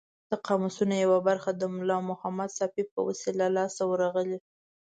د قاموسونو یوه برخه د ملا محمد ساپي په وسیله لاس ته ورغلې.